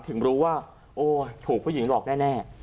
ถึงรู้ว่าการ์ตูนถูกผู้หญิงหลอกแน่